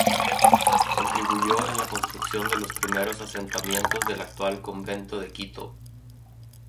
Contribuyó en la construcción de los primeros asentamientos del actual convento de Quito.